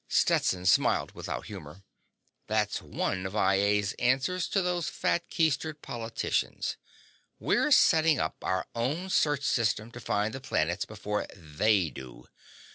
Stetson smiled without humor. "That's one of I A's answers to those fat keistered politicians. We're setting up our own search system to find the planets before they do.